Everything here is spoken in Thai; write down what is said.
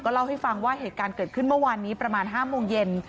เล่าให้ฟังว่าเหตุการณ์เกิดขึ้นเมื่อวานนี้ประมาณ๕โมงเย็น